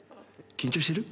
緊張してる？